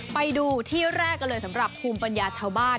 ไปดูที่แรกกันเลยสำหรับภูมิปัญญาชาวบ้าน